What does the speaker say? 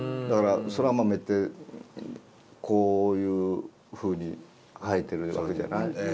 そら豆ってこういうふうに生えてるわけじゃない？